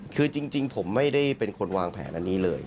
คือจริงผมไม่ได้เป็นคนวางแผนอันนี้เลย